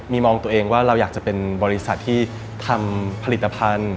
มีมองตัวเองว่าเราอยากจะเป็นบริษัทที่ทำผลิตภัณฑ์